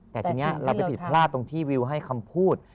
แต่ทีนี้เราไปผิดพลาดตรงที่วิวให้คำพูด